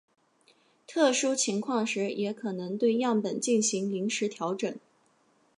特殊情况时也可能对样本进行临时调整。